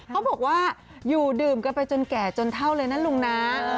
เขาบอกว่าอยู่ดื่มกันไปจนแก่จนเท่าเลยนะลุงนะ